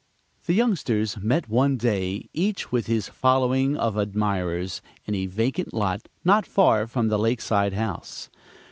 The youngsters met one day, each with his following of admirers, in a vacant lot not far from the Lakeside House.